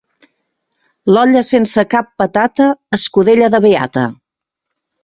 L'olla sense cap patata, escudella de beata.